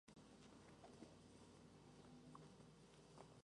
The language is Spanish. Dispone de dos reactores de agua en ebullición de General Electric.